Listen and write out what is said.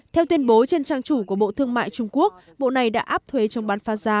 theo tuyên bố trên trang chủ của bộ thương mại trung quốc bộ này đã áp thuế chống bán phá giá